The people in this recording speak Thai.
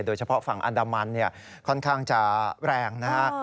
โดยเฉพาะฝั่งอันดามันเนี่ยค่อนข้างจะแรงนะฮะ